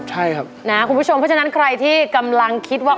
ใช่ครับนะคุณผู้ชมเพราะฉะนั้นใครที่กำลังคิดว่า